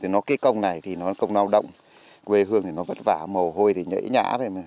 nó cây công này thì nó công lao động quê hương thì nó vất vả mồ hôi thì nhễ nhã